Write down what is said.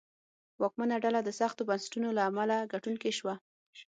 واکمنه ډله د سختو بنسټونو له امله ګټونکې شوه.